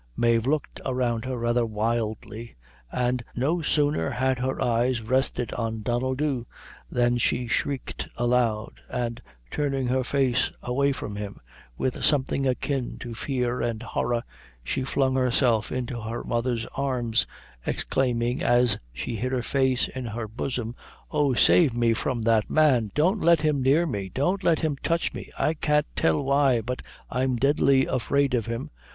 Mave looked around her rather wildly, and no sooner had her eyes rested on Donnel Dhu than she shrieked aloud, and turning her face away from him, with something akin to fear and horror, she flung herself into her mother's arms, exclaiming, as she hid her face in her bosom: "Oh save me from that man; don't let! him near me; don't let him touch me. I can't tell why, but I'm deadly afraid of him.